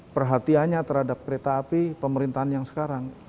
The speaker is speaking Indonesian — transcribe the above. perhatiannya terhadap kereta api pemerintahan yang sekarang